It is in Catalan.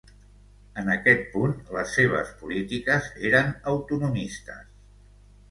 En aquest punt, les seves polítiques eren autonomistes.